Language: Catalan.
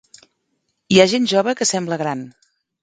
Hi ha gent jove que sembla gran.